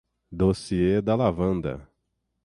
Dossiê da lavanda